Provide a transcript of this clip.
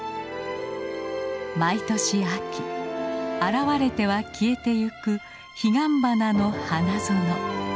毎年秋現れては消えていくヒガンバナの花園。